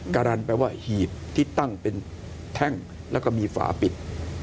การันแปลว่าหีบที่ตั้งเป็นแท่งแล้วก็มีฝาปิด